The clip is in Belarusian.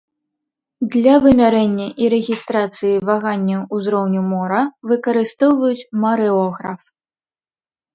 Для вымярэння і рэгістрацыі ваганняў узроўню мора выкарыстоўваюць марэограф.